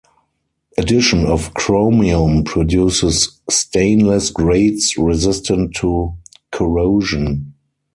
Addition of chromium produces stainless grades resistant to corrosion.